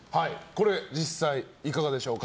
これ実際はいかがでしょうか。